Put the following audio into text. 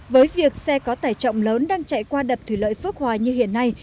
với việc xe có tải trọng lớn đang chạy qua đập thủy lợi phước hòa như hiện nay